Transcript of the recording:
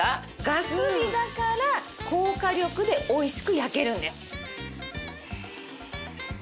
ガス火だから高火力でおいしく焼けるんです。